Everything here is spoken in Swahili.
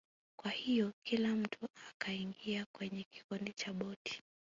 Kwa hiyo kila mtu akaingia kwenye kikundi cha boti